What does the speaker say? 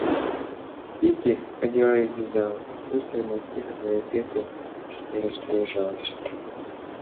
Кити ходила и вязала, быстро накидывая петли, и распоряжалась.